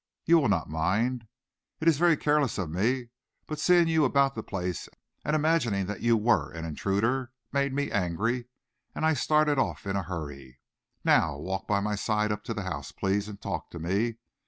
You will not mind? It is very careless of me, but seeing you about the place and imagining that you were an intruder, made me angry, and I started off in a hurry. Now walk by my side up to the house, please, and talk to me.